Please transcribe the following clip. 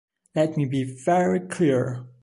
Let me be very clear.